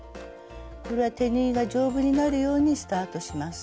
これは手縫いが丈夫になるようにスタートします。